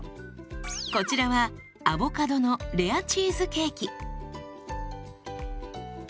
こちらはアボカドのレアチーズケーキ。